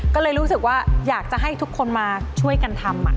ก็เลยรู้สึกว่าอยากจะให้ทุกคนมาช่วยกันทำ